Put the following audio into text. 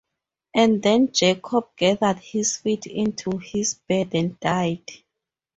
And then Jacob gathered his feet into his bed and died.